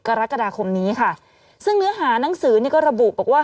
กรกฎาคมนี้ค่ะซึ่งเนื้อหานังสือนี่ก็ระบุบอกว่า